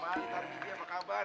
waalaikumsalam mantap ini apa kabar